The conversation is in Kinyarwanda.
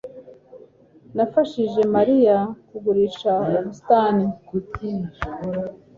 Nafashije mariya kurisha ubusitani